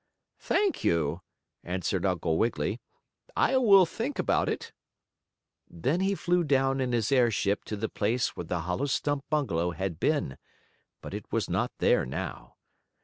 "Thank you," answered Uncle Wiggily. "I will think about it." Then he flew down in his airship to the place where the hollow stump bungalow had been, but it was not there now.